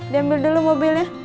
dia ambil dulu mobilnya